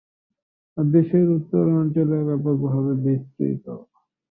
দেশের উত্তর অঞ্চলে ব্যাপকভাবে বিস্তৃত।